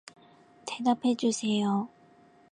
대답해 주세요.